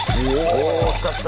お来た来た。